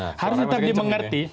nah kalau saya pakai kecembungan ya